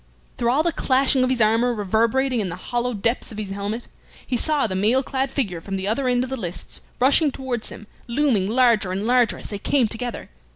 Through all the clashing of his armor reverberating in the hollow depths of his helmet, he saw the mail clad figure from the other end of the lists rushing towards him, looming larger and larger as they came together.